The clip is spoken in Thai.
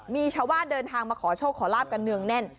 มีชาวบ้านเดินทางมาขอโชคขอลาบกันเนืองแน่น